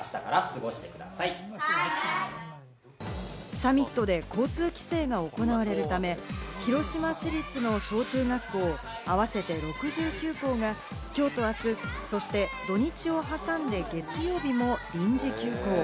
サミットで交通規制が行われるため、広島市立の小・中学校、合わせて６９校がきょうとあす、そして土・日を挟んで月曜日も臨時休校。